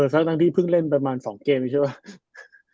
ทั้งที่เพิ่งเล่นประมาณ๒เกมใช่ไหม